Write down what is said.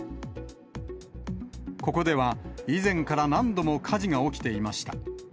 ここでは以前から何度も火事が起きていました。